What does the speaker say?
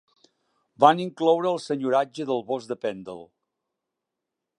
Van incloure el senyoratge del bosc de Pendle.